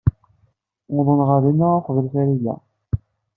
Uwḍen ɣer din uqbel Farida.